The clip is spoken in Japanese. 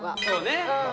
そうね。